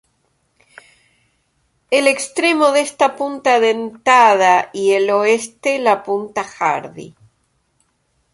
El extremo este es la punta Dentada y el oeste, la punta Hardy.